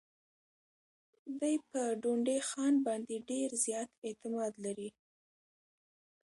دی پر ډونډي خان باندي ډېر زیات اعتماد لري.